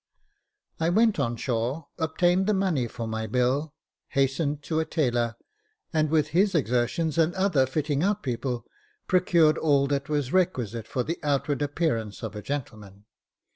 I went on shore, obtained the money for my bill, hastened to a tailor, and with his exertions, and other fitting out people, procured all that was requisite for the outward appearance of a gentleman.